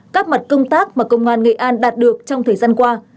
các mặt công tác mà công an nghệ an đạt được trong thời gian qua